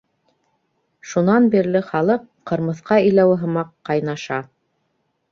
Шунан бирле халыҡ, ҡырмыҫҡа иләүе һымаҡ, ҡайнаша.